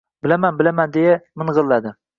— Bilaman, bilaman... — deya ming‘illadi.